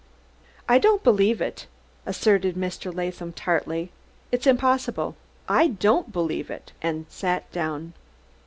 "I don't believe it," asserted Mr. Latham tartly. "It's impossible! I don't believe it!" And sat down.